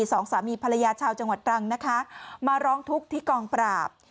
สองสามีภรรยาชาวจังหวัดตรังนะคะมาร้องทุกข์ที่กองปราบ